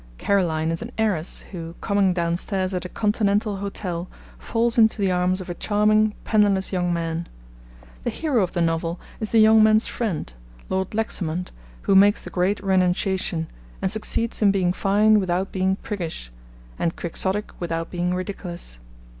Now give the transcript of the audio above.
Caroline is an heiress, who, coming downstairs at a Continental hotel, falls into the arms of a charming, penniless young man. The hero of the novel is the young man's friend, Lord Lexamont, who makes the 'great renunciation,' and succeeds in being fine without being priggish, and Quixotic without being ridiculous.